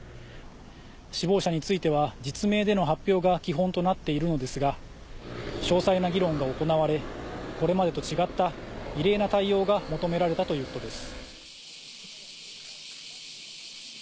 死亡者については実名での発表が基本となっているのですが詳細な議論が行われこれまでと違った異例な対応が求められたということです。